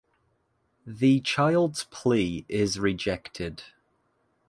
The child's plea is rejected.